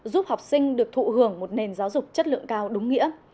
giúp học sinh được thụ hưởng một nền giáo dục chất lượng cao đúng nghĩa